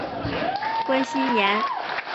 关心妍